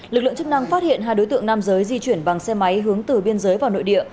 lực lượng chức năng phát hiện hai đối tượng nam giới di chuyển bằng xe máy hướng từ biên giới vào nội địa